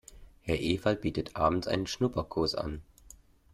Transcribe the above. Herr Ewald bietet abends einen Schnupperkurs an.